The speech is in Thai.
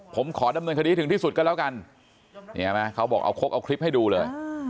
ผมขอดำเนินคดีให้ถึงที่สุดก็แล้วกันเขาบอกเอาครบเอาคลิปให้ดูเลย